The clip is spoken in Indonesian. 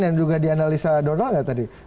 yang juga dianalisa donald ya tadi